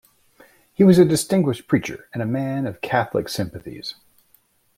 He was a distinguished preacher and a man of Catholic sympathies.